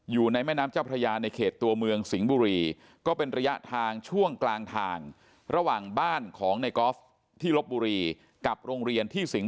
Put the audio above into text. อยู่ในแม่น้ำเจ้าภรรยาในเขตตัวเมืองสิงห์บุรี